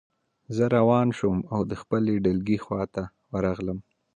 زه روان شوم او د خپلې ډلګۍ خواته ورغلم